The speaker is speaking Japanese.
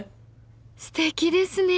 すてきですね。